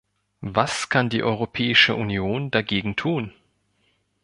Was kann die Europäische Union dagegen tun?